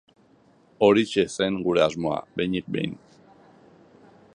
Horixe zen gure asmoa, behinik behin.